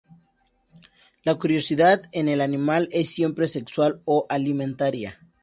La curiosidad, en el animal, es siempre sexual o alimentaria.